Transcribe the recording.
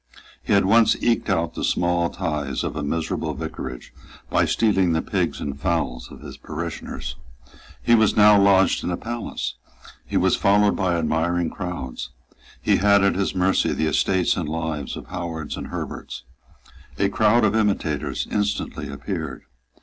He had once eked out the small tithes of a miserable vicarage by stealing the pigs and fowls of his parishioners. He was now lodged in a palace; he was followed by admiring crowds; he had at his mercy the estates and lives of Howards and Herberts. A crowd of imitators instantly appeared.